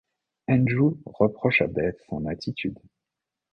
Andrew reproche à Beth son attitude.